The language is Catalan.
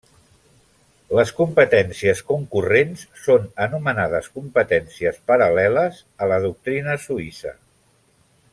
Les competències concurrents són anomenades competències paral·leles a la doctrina suïssa.